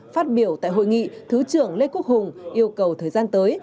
phát biểu tại hội nghị thứ trưởng lê quốc hùng yêu cầu thời gian tới